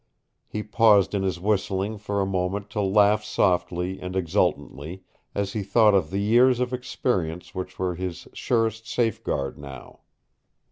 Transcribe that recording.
He paused in his whistling for a moment to laugh softly and exultantly as he thought of the years of experience which were his surest safeguard now.